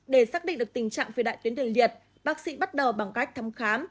để xác định được tình trạng phi đại tuyến tiền liệt bác sĩ bắt đầu bằng cách thăm khám